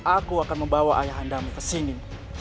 aku akan membawa ayah anda kesini